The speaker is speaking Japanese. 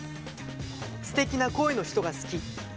「すてきな声の人が好き」。